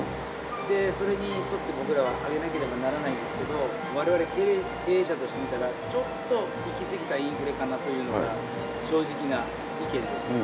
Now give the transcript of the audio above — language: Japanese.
でそれに沿って僕らは上げなければならないんですけど我々経営者として見たらちょっと行きすぎたインフレかなというのが正直な意見です。